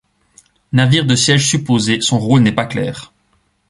Navire de siège supposé, son rôle n'est pas clair.